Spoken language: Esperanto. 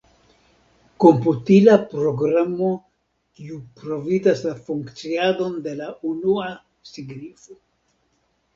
Komputila programo kiu provizas la funkciadon de la unua signifo.